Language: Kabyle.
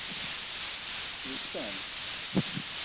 Telsamt?